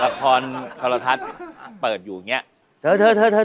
ทรทัศน์เปิดอยู่อย่างนี้